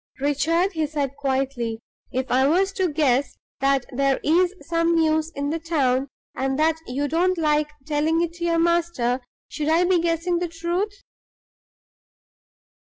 "Richard," he said, quietly, "if I was to guess that there is some news in the town, and that you don't like telling it to your master, should I be guessing the truth?"